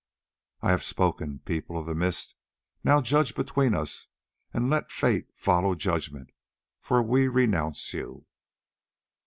I have spoken, People of the Mist. Now judge between us and let fate follow judgment, for we renounce you."